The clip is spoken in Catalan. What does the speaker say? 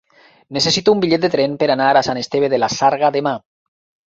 Necessito un bitllet de tren per anar a Sant Esteve de la Sarga demà.